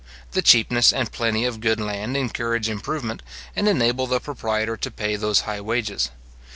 The cheapness and plenty of good land encourage improvement, and enable the proprietor to pay those high wages.